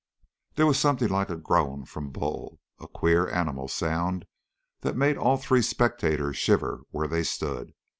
There was something like a groan from Bull a queer, animal sound that made all three spectators shiver where they stood.